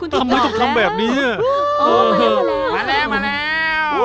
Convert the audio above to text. ทำไมต้องทำแบบนี้มาแล้วมาแล้ว